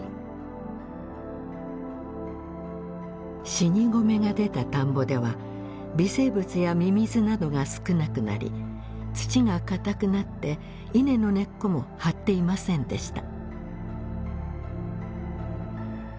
死に米が出た田んぼでは微生物やミミズなどが少なくなり土が固くなって稲の根っこも張っていませんでした。